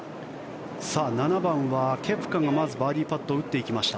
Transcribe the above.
７番はケプカがまずバーディーパットを打っていきました。